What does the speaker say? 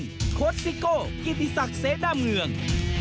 เช่นโคตรซิโก้กิติศักดิ์เสด้าเมือง